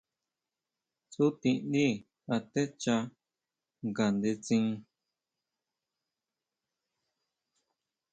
Tsutindí atecha ngandetsin.